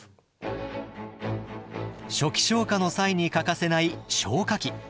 初期消火の際に欠かせない消火器。